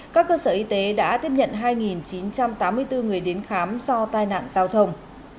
các cơ sở y tế đã tiếp nhận hai chín trăm tám mươi bốn người đến khám do tai nạn giao thông